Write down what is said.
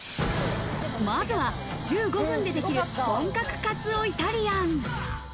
まずは１５分でできる本格カツオイタリアン。